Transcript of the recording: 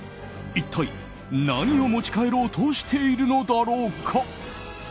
一体何を持ち帰ろうとしているのだろうか。